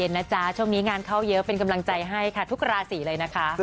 ตอนนี้ก็จะเริ่มประสบความสำเร็จได้เรื่อย